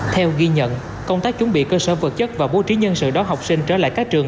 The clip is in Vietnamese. theo ghi nhận công tác chuẩn bị cơ sở vật chất và bố trí nhân sự đón học sinh trở lại các trường